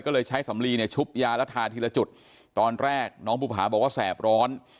ก็เลยใช้สำลีเนี่ยชุบยาแล้วทาทีละจุดตอนแรกน้องภูผาบอกว่าแสบร้อน